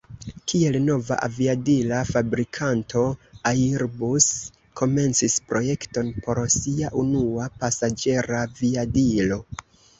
Kiel nova aviadila fabrikanto, Airbus komencis projekton por sia unua pasaĝeraviadilo.